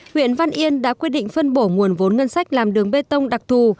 quang yên đã quyết định phân bổ nguồn vốn ngân sách làm đường bê tông đặc thù